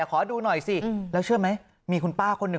ขอดูหน่อยสิแล้วเชื่อไหมมีคุณป้าคนหนึ่ง